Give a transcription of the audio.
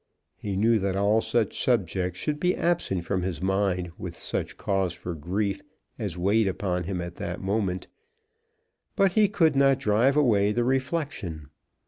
He knew that all such subjects should be absent from his mind with such cause for grief as weighed upon him at this moment, but he could not drive away the reflection.